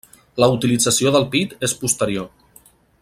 La utilització del pit és posterior.